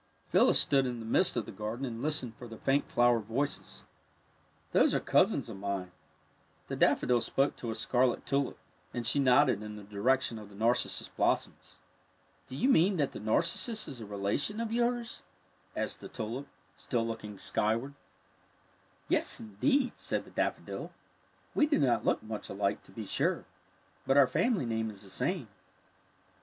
Phyllis stood in the midst of the garden and listened for the faint flower voices. '' Those are cousins of mine." The daffodil spoke to a scarlet tulip, and she nodded in the direction of the narcissus blossoms. ^* Do you mean that the narcissus is a rela ► hyllis stood in the midst of the gar den ALL IN A GARDEN FAIR 19 tion of yom^s? '' asked the tulip, still looking skyward. ^' Yes, indeed," said the daffodil. " We do not look much alike, to be sure. But our family name is the same."